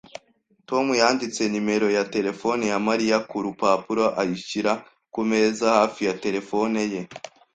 Tom yanditse nimero ya terefone ya Mariya ku rupapuro ayishyira ku meza hafi ya terefone ye